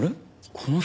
この人。